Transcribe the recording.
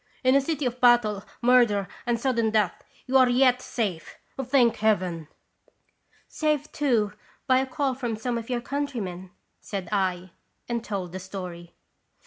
" In a city of battle, murder, and sudden death, you are yet safe, thank Heaven !"" Saved, too, by a call from some of your countrymen," said I, and told the story.